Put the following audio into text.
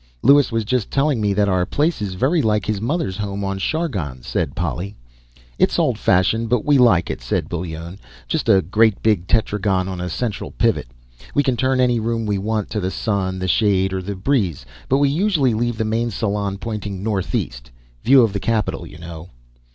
"Lewis was just telling me that our place is very like his mother's home on Chargon," said Polly. "It's old fashioned, but we like it," said Bullone. "Just a great big tetragon on a central pivot. We can turn any room we want to the sun, the shade or the breeze, but we usually leave the main salon pointing northeast. View of the capital, you know."